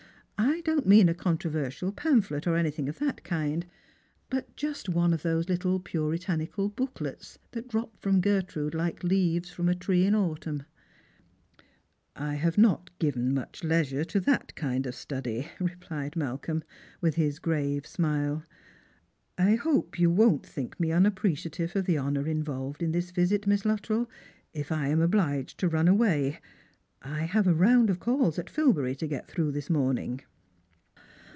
I don't mean a contro versial pamphlet, or anything of that kind; but just one of those little puritanical booklets that drop from Gertrude like leaves from a tree in autumn ?"" I have not given much leisure to that kind of study," re plied Malcolm, with his grave smile. "I hope you won't think me unappreciative of the honour involved in this viSit, Miss Luttrell, if I am obliged to run away. I have a round of calls at Filbury to get through this morning."